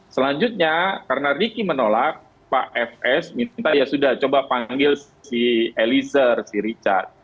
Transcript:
selanjutnya karena ricky menolak pak fs minta ya sudah coba panggil si eliezer si richard